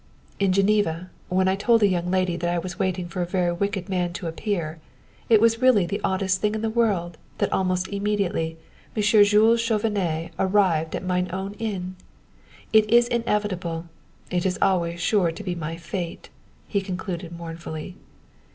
"In Geneva, when I told a young lady that I was waiting for a very wicked man to appear it was really the oddest thing in the world that almost immediately Monsieur Jules Chauvenet arrived at mine own inn! It is inevitable; it is always sure to be my fate," he concluded mournfully.